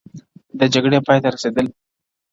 د جګړې پای ته رسېدل